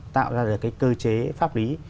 tạo ra cái cơ chế pháp lý